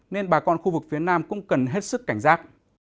nên bà con khu vực phía nam cũng cần hết sức cảnh giác